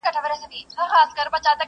دا موږ ولي همېشه غم ته پیدا یو!!